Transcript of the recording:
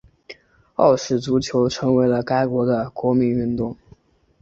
澳式足球成为了该国的国民运动。